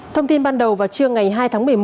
thông tin ban đầu vào trưa ngày hai tháng một mươi một